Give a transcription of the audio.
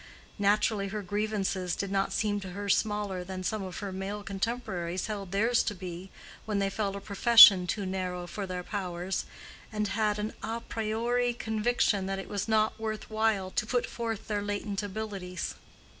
Naturally her grievances did not seem to her smaller than some of her male contemporaries held theirs to be when they felt a profession too narrow for their powers, and had an à priori conviction that it was not worth while to put forth their latent abilities.